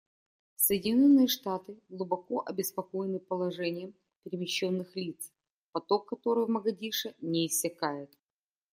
Соединенные Штаты глубоко обеспокоены положением перемещенных лиц, поток которых в Могадишо не иссякает.